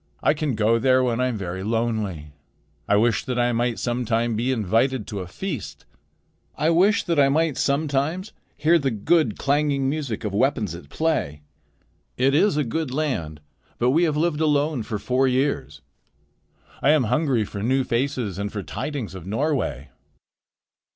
I can go there when I am very lonely.' I wish that I might sometime be invited to a feast. I wish that I might sometimes hear the good, clanging music of weapons at play. It is a good land, but we have lived alone for four years. I am hungry for new faces and for tidings of Norway."